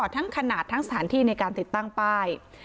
ทั้งขนาดทั้งสถานที่ในการติดตั้งป้าย